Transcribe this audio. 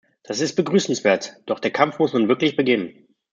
Das ist begrüßenswert, doch der Kampf muss nun wirklich beginnen.